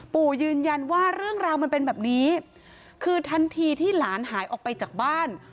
ปู่ยืนยันว่าเรื่องราวมันเป็นแบบนี้คือทันทีที่หลานหายออกไปจากบ้าน